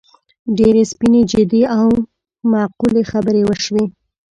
ډېرې سپینې، جدي او معقولې خبرې وشوې.